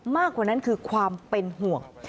มากกว่านั้นคือความเป็นห่วง